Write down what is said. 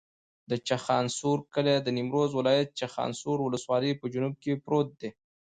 د چخانسور کلی د نیمروز ولایت، چخانسور ولسوالي په جنوب کې پروت دی.